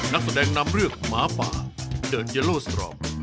นักแสดงนำเรื่องหมาป่าเดิร์นเยโลสตรอง